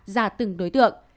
ra từng đối tượng